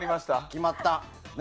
決まった。